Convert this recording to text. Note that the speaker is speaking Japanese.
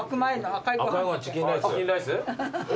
チキンライス？